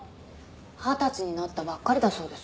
二十歳になったばっかりだそうです。